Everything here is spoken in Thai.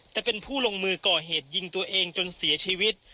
จะเป็นผู้ลงมือก่อเหตุยิงตัวเองจนเสียชีวิต